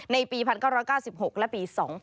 ในปี๑๙๙๖และปี๒๕๖